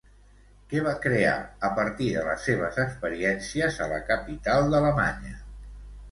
Què va crear a partir de les seves experiències a la capital d'Alemanya?